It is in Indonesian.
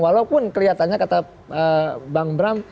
walaupun kelihatannya kata bang bram